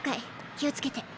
気をつけて。